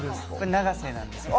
永瀬なんですけど。